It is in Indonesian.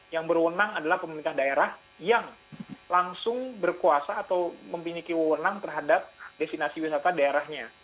yang berwenang adalah pemerintah daerah yang langsung berkuasa atau memiliki wewenang terhadap destinasi wisata daerahnya